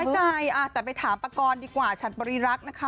ใจแต่ไปถามปากรดีกว่าฉันบริรักษ์นะคะ